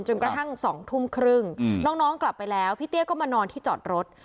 กระทั่ง๒ทุ่มครึ่งน้องกลับไปแล้วพี่เตี้ยก็มานอนที่จอดรถ